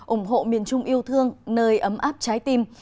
ủng hộ miền trung yêu thương nơi ấm áp trái tim